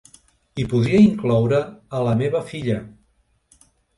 I podria incloure a la meva filla,.